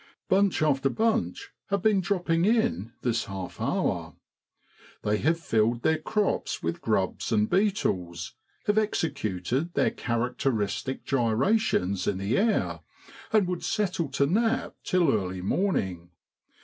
Bunch after bunch have been dropping in this half hour. They have filled their crops with grubs and beetles, have executed their characteristic gyrations in the air, and would settle to nap till early morning.